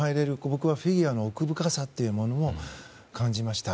僕はフィギュアの奥深さというものを感じました。